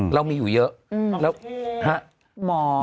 เรามีอยู่เยอะแล้วฮะหมอ